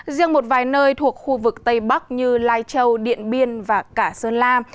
riêng một vài nơi thuộc khu vực tây bắc như lai châu điện biên và cả sơn la